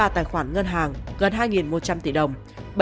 bốn mươi ba tài khoản ngân hàng gần hai một trăm linh tỷ đồng